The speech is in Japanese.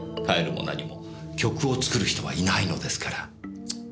変えるも何も曲を作る人はいないのですから。